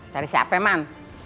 cari siapa emang